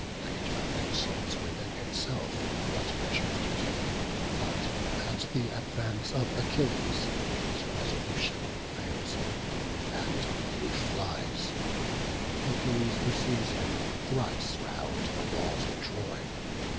Hector consults within himself what measures to take; but, at the advance of Achilles, his resolution fails him, and he flies: Achilles pursues him thrice round the walls of Troy.